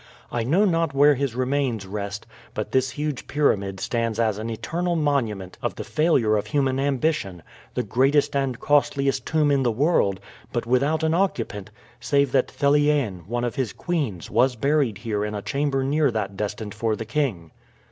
I know not where his remains rest, but this huge pyramid stands as an eternal monument of the failure of human ambition the greatest and costliest tomb in the world, but without an occupant, save that Theliene, one of his queens, was buried here in a chamber near that destined for the king."